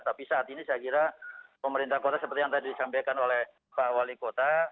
tapi saat ini saya kira pemerintah kota seperti yang tadi disampaikan oleh pak wali kota